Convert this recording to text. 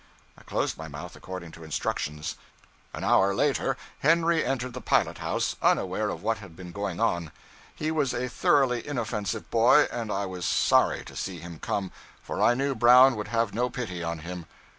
I closed my mouth according to instructions. An hour later, Henry entered the pilot house, unaware of what had been going on. He was a thoroughly inoffensive boy, and I was sorry to see him come, for I knew Brown would have no pity on him.